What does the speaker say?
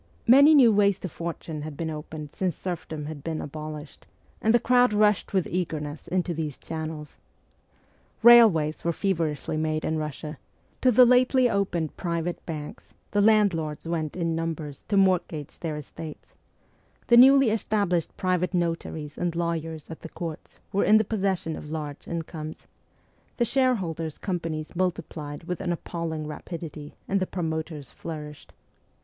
Many new ways to fortune had been opened since serfdom had been abolished, and the crowd rushed with ST. PETERSBURG 33 eagerness into these channels. Railways were feverishly made in Russia ; to the lately opened private banks the landlords went in numbers to mortgage their estates ; the newly established private notaries and lawyers at the courts were in the possession of large incomes ; the shareholders' companies multiplied with an appalling rapidity and the promoters flourished.